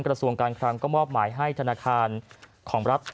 กระทรวงการคลังก็มอบหมายให้ธนาคารของรัฐ